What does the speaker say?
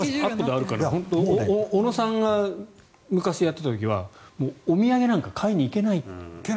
小野さんが昔やっていた時はお土産なんか買いに行けない。